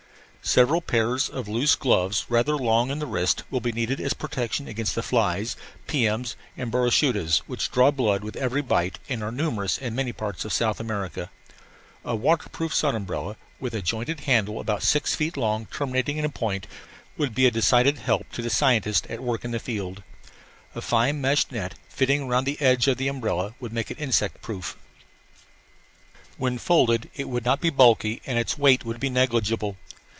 Several pairs of loose gloves rather long in the wrist will be needed as protection against the flies, piums and boroshudas which draw blood with every bite and are numerous in many parts of South America. A waterproof sun umbrella, with a jointed handle about six feet long terminating in a point, would be a decided help to the scientist at work in the field. A fine meshed net fitting around the edge of the umbrella would make it insect proof. When folded it would not be bulky and its weight would be negligible.